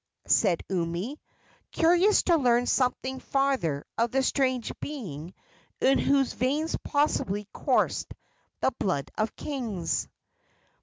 said Umi, curious to learn something farther of the strange being in whose veins possibly coursed the blood of kings.